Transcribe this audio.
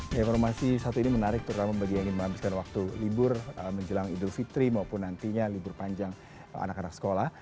informasi satu ini menarik terutama bagi yang ingin menghabiskan waktu libur menjelang idul fitri maupun nantinya libur panjang anak anak sekolah